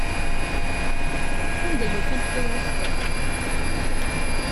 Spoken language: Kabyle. Anda ay ufant tawlaft-a?